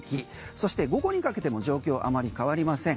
そして、午後にかけても状況あまり変わりません。